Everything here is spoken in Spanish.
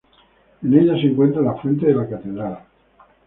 En ella se encuentra la fuente de la Catedral.